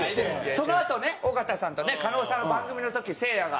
そのあとね尾形さんとね狩野さんの番組の時せいやが